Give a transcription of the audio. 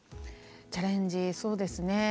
チャレンジそうですね